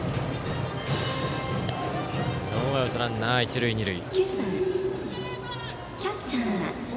ノーアウトランナー、一塁二塁。